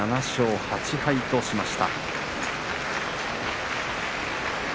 ７勝８敗としました。